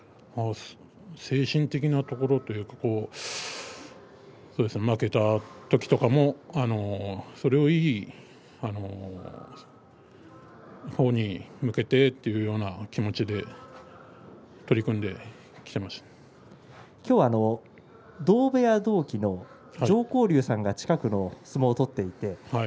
精神的なところというか負けた時とかもそれをいい方に向けてというような気持ちで今日は同部屋同期の常幸龍さんが近くで相撲を取っていました。